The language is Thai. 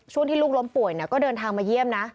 ที่ลูกล้มป่วยก็เดินทางมาเยี่ยมนะ